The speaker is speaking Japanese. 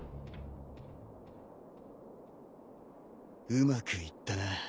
うまくいったな。